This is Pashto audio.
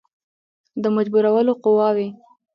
د مجبورولو قواوي.